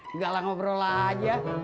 nggak lah ngobrol aja